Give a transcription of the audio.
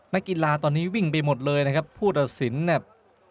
นักกีฬาตอนนี้วิ่งไปหมดเลยนะครับผู้ตัดสินเนี่ย